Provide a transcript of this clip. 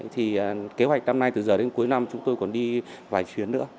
thì kế hoạch năm nay từ giờ đến cuối năm chúng tôi còn đi vài chuyến nữa